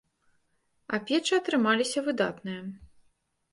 А печы атрымаліся выдатныя.